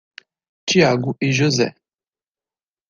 Thiago e José.